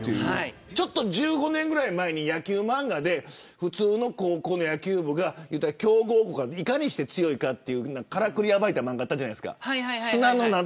１５年ぐらい前に野球漫画で普通の高校の野球部が強豪校がいかにして強いかというカラクリを暴いた漫画があったじゃないですか。